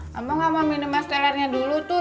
kamu gak mau minum mas tellernya dulu tuh